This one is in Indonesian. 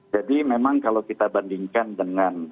jadi memang kalau kita bandingkan dengan